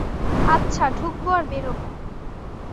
আচ্ছা, ঢুকবো আর বেরোবো।